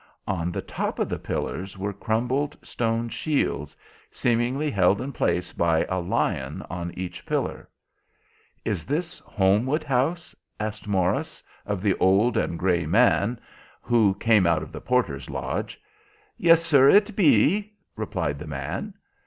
On the top of the pillars were crumbled stone shields, seemingly held in place by a lion on each pillar. "Is this Holmwood House?" asked Morris of the old and grey man who came out of the porter's lodge. "Yes, sir, it be," replied the man.